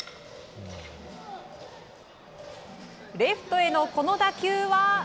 レフトへのこの打球は。